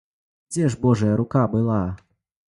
Дзе ж божая рука была?!.